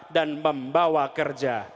dan membawa kerja